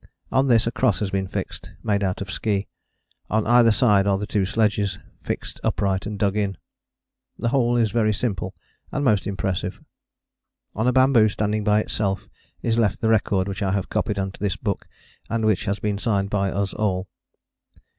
On this a cross has been fixed, made out of ski. On either side are the two sledges, fixed upright and dug in. The whole is very simple and most impressive. On a bamboo standing by itself is left the record which I have copied into this book, and which has been signed by us all.